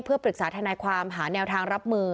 เพื่อปรึกษาทนายความหาแนวทางรับมือ